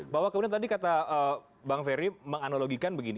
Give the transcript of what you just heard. bahwa kemudian tadi kata bang ferry menganalogikan begini